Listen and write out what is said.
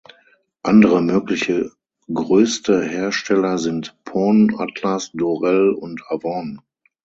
Andere mögliche größte Hersteller sind Pon, Atlas, Dorel und Avon.